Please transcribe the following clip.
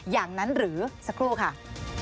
อย่างนั้นหรือสักครู่ค่ะ